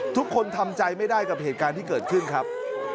ทุกคนทำใจไม่ได้กับเหตุการณ์ที่เกิดขึ้นครับ